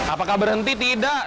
apakah berhenti tidak